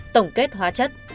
tổng kết hóa chất